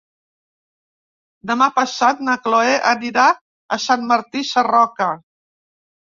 Demà passat na Chloé anirà a Sant Martí Sarroca.